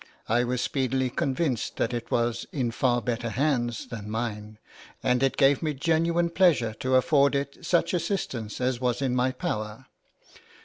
I was speedily convinced that it was in far better hands than mine, and it gave me genuine pleasure to afford it such assistance as was in my power.